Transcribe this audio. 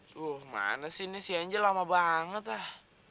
tuh mana sih ini si angel lama banget lah